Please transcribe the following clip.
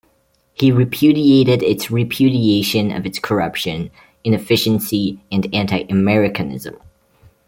He repudiated its repudiation of its corruption, inefficiency and anti-Americanism.